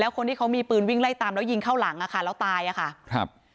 คนที่เขามีปืนวิ่งไล่ตามแล้วยิงเข้าหลังอ่ะค่ะแล้วตายอ่ะค่ะครับ